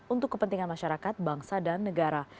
untuk kepentingan masyarakat bangsa dan negara